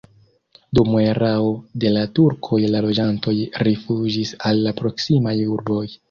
Dum erao de la turkoj la loĝantoj rifuĝis al la proksimaj urboj.